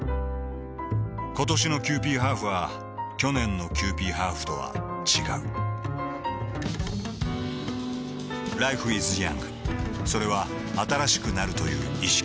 ことしのキユーピーハーフは去年のキユーピーハーフとは違うＬｉｆｅｉｓｙｏｕｎｇ．それは新しくなるという意識